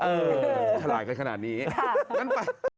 เออขลายกันขนาดนี้งั้นไป